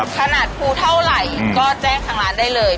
ขนาดภูเท่าไหร่ก็แจ้งทางร้านได้เลย